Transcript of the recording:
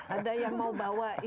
ada yang mau bawa pistol ke